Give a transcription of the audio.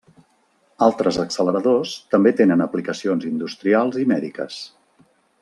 Altres acceleradors també tenen aplicacions industrials i mèdiques.